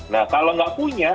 nah kalau nggak punya